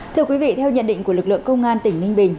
thưa quý vị theo nhận định của lực lượng công an tỉnh ninh bình